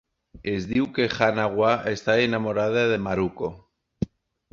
Es diu que Hanawa estava enamorada de Maruko.